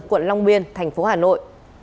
quận long biên thành phố hà nội